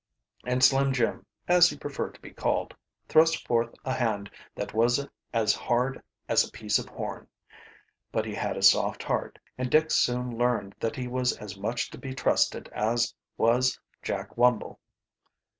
And Slim Jim, as he preferred to be called, thrust forth a hand that was as hard as a piece of horn. But he had a soft heart, and Dick soon learned that he was as much to be trusted as was Jack Wumble.